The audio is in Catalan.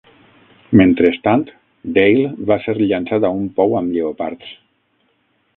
Mentrestant, Dale va ser llançat a un pou amb lleopards.